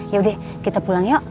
yaudah kita pulang yuk